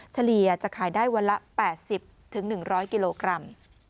เฉลี่ยจะขายได้วันละ๘๐๑๐๐กิโลกรัม